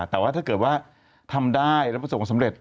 แต่ว่าถ้าเกิดว่าทำได้แล้วประสบความสำเร็จ